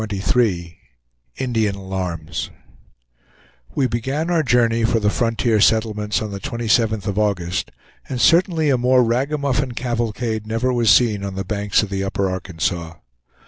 CHAPTER XXIII INDIAN ALARMS We began our journey for the frontier settlements on the 27th of August, and certainly a more ragamuffin cavalcade never was seen on the banks of the Upper Arkansas.